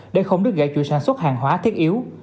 để không được gãy chủ sản xuất hàng hóa thiết yếu